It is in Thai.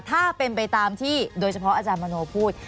ถ้าเป็นไปตามที่โดยเฉพาะอาจารย์มโนพูด